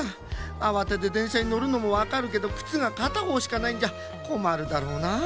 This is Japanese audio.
あわててでんしゃにのるのもわかるけどくつがかたほうしかないんじゃこまるだろうなあ。